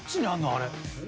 あれ。